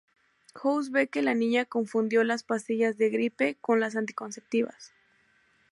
House ve que la niña confundió las pastillas de gripe con las anticonceptivas.